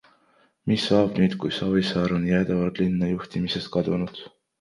Mis saab nüüd kui Savisaar on jäädavalt linnajuhtimisest kadunud?